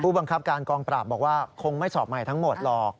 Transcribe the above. บังคับการกองปราบบอกว่าคงไม่สอบใหม่ทั้งหมดหรอก